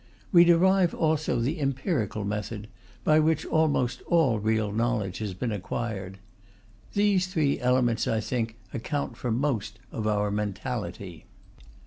We derive also the empirical method, by which almost all real knowledge has been acquired. These three elements, I think, account for most of our mentality.